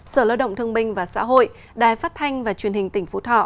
sở lợi động thương minh và xã hội đài phát thanh và truyền hình tỉnh phú thọ